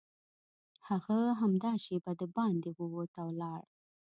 هغه همدا شېبه دباندې ووت او لاړ